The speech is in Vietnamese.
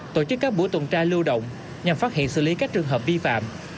tổ chức các buổi tuần tra lưu động nhằm phát hiện xử lý các trường hợp vi phạm